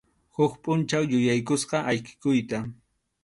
Huk pʼunchaw yuyaykusqa ayqikuyta.